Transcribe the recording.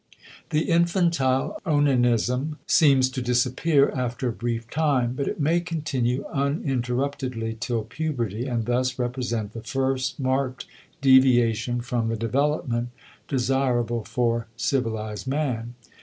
The infantile onanism seems to disappear after a brief time, but it may continue uninterruptedly till puberty and thus represent the first marked deviation from the development desirable for civilized man.